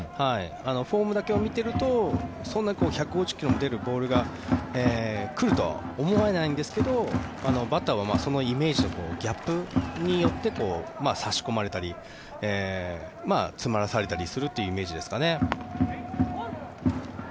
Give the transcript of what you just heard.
フォームだけを見ているとそんなに１５０ｋｍも出るボールが来るとは思えないんですけどバッターはそのイメージとのギャップによって差し込まれたり詰まらされたりするというイメージですかね。